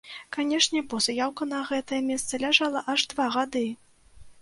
Канешне, бо заяўка на гэтае месца ляжала аж два гады!